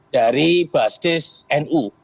dari basis nu